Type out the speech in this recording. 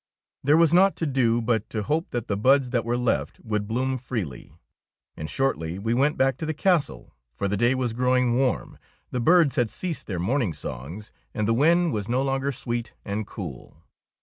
'^ There was naught to do but to hope that the buds that were left would bloom freely ; and shortly we went back to the castle, for the day was growing warm, the birds had ceased their morn ing songs, and the wind was no longer sweet and cool.